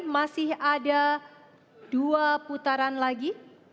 masih ada dua putaran lagi